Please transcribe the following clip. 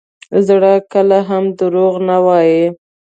زړه کله هم دروغ نه وایي.